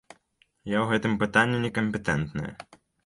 Я ў гэтым пытанні не кампетэнтная.